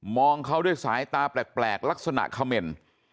องเขาด้วยสายตาแปลกลักษณะเขม่น